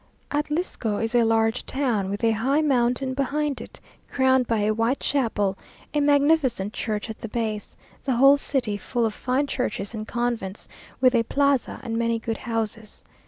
Atlisco is a large town, with a high mountain behind it, crowned by a white chapel, a magnificent church at the base; the whole city full of fine churches and convents, with a plaza and many good houses.